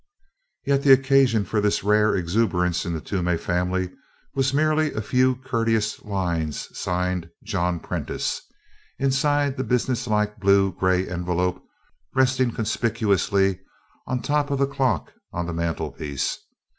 Yet the occasion for this rare exuberance in the Toomey family was merely a few courteous lines signed "John Prentiss," inside the businesslike blue gray envelope resting conspicuously on top of the clock on the mantelpiece.